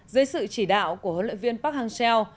dưới sự chỉ đạo của huấn luyện viên park hang seo